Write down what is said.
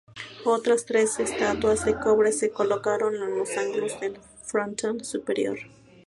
Otras tres estatuas de cobre se colocaron en los ángulos del frontón superior.